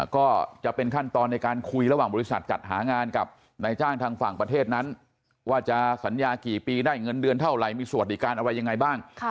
ก็จะเป็นขั้นตอนในการคุยระหว่างบริษัทจัดหางานกับนายจ้างทางฝั่งประเทศนั้นว่าจะสัญญากี่ปีได้เงินเดือนเท่าไหร่มีสวัสดิการอะไรยังไงบ้าง